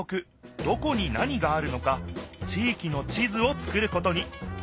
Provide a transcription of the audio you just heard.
どこに何があるのか地いきの地図をつくることに。